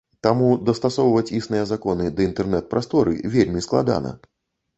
Таму дастасоўваць існыя законы да інтэрнэт-прасторы вельмі складана.